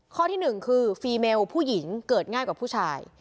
ข้อที่๑คือฟีเมลผู้หญิงเกิดง่ายกว่าผู้ชาย